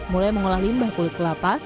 mulai mengolah limbah kulit kelapa